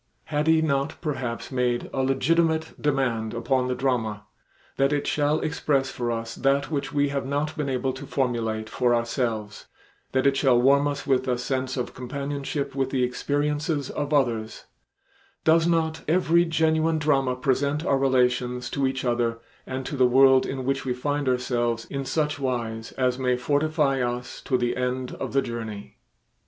Had he not perhaps made a legitimate demand upon the drama, that it shall express for us that which we have not been able to formulate for ourselves, that it shall warm us with a sense of companionship with the experiences of others; does not every genuine drama present our relations to each other and to the world in which we find ourselves in such wise as may fortify us to the end of the journey?